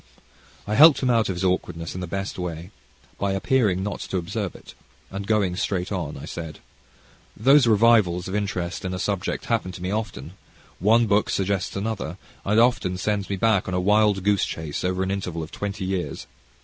I helped him out of his awkwardness in the best way, by appearing not to observe it, and going straight on, I said: "Those revivals of interest in a subject happen to me often; one book suggests another, and often sends me back a wild goose chase over an interval of twenty years.